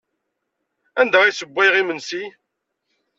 Anda ay ssewwayeɣ imensi?